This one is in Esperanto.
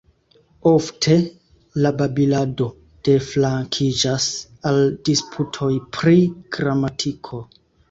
Ofte, la babilado deflankiĝas al disputoj pri gramatiko.